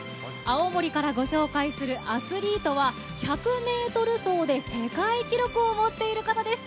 青森から御紹介するアスリートは１００ｍ走で世界記録を持っている方です。